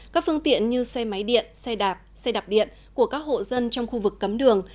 các phương tiện như xe máy điện xe đạp xe đạp điện của các hộ dân trong khu vực cấm đường